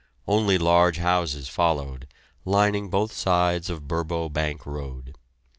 Other large houses followed, lining both sides of Burbo Bank Road.